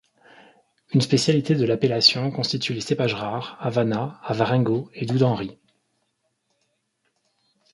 Une spécialité de l'appellation constitue les cépages rares Avana, Avarengo et Doux d'Henry.